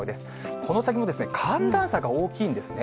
この先も寒暖差が大きいんですね。